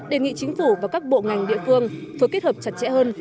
đề nghị chính phủ và các bộ ngành địa phương phối kết hợp chặt chẽ hơn